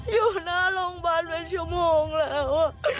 อยู่หน้าโรงพยาบาลเป็นชั่วโมงแล้ว